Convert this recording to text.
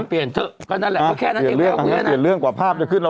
เปลี่ยนเรื่องกว่าภาพจะขึ้นเราเล่าจบแล้วภาพก็ไม่มีแล้ว